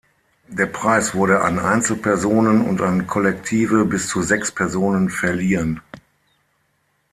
Der Preis wurde an Einzelpersonen und an Kollektive bis zu sechs Personen verliehen.